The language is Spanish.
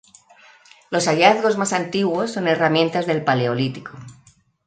Los hallazgos más antiguos son herramientas del paleolítico.